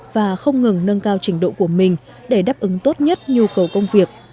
và không ngừng nâng cao trình độ của mình để đáp ứng tốt nhất nhu cầu công việc